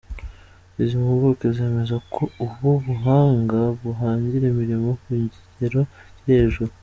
Izi mpuguke zemeza ko ubu buhanga buhangira umuriro ku kigero kiri hejuru.